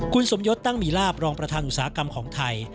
คุณสมยศตั้งมีลาบรองประธานอุตสาหกรรมของไทย